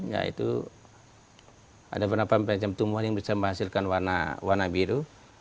yaitu ada beberapa macam tumbuhan yang bisa menghasilkan warna biru